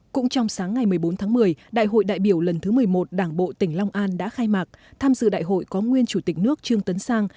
cũng trong sáng ngày một mươi bốn tháng một mươi đại hội đại biểu lần thứ một mươi một đảng bộ tỉnh long an đã khai mạc tham dự đại hội có nguyên chủ tịch nước trương tấn sang